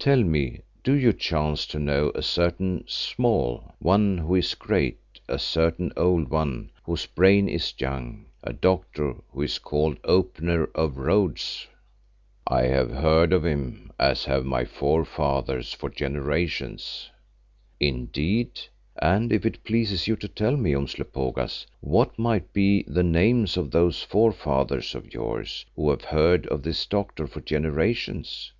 Tell me, do you chance to know a certain Small One who is great, a certain Old One whose brain is young, a doctor who is called Opener of Roads?" "I have heard of him, as have my forefathers for generations." "Indeed, and if it pleases you to tell me, Umslopogaas, what might be the names of those forefathers of yours, who have heard of this doctor for generations?